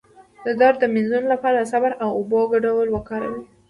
د درد د مینځلو لپاره د صبر او اوبو ګډول وکاروئ